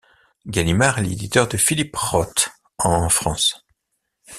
Gallimard est l'éditeur de Philip Roth en France.